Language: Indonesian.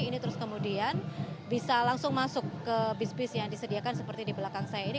ini terus kemudian bisa langsung masuk ke bis bis yang disediakan seperti di belakang saya ini